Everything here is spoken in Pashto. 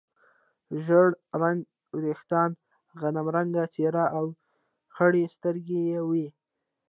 ژړ رنګه وریښتان، غنم رنګه څېره او خړې سترګې یې وې.